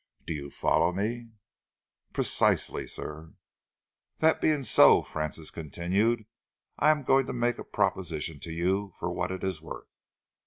Do you follow me?" "Precisely, sir." "That being so," Francis continued, "I am going to make a proposition to you for what it is worth.